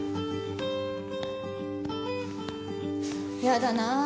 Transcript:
やだなぁ。